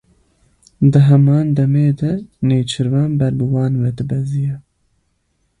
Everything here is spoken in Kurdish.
Di heman demê de nêçîrvan ber bi wan ve dibeziya.